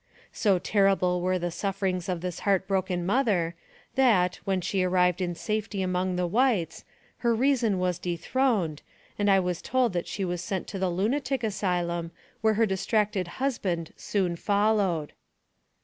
So terrible were the sufferings of this heart broken mother, that, when she arrived in safety among the whites, her reason was dethroned, and I was told that she was sent to the lunatic asylum, where her dis tracted husband soon followed.